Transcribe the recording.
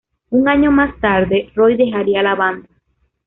Un año más tarde Roy dejaría la banda.